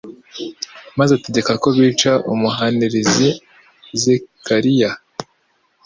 maze ategeka ko bica umuhanLizi Zekariya.